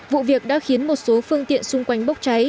vụ việc đã khiến một số phương tiện xung quanh bốc cháy